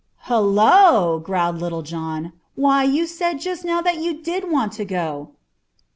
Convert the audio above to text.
"Hullo!" growled Little John. "Why, you said just now that you did want to go!"